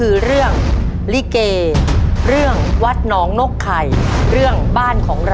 และจะเลือกเรื่องไหนให้ป้าต๊ะขึ้นมาตอบครับ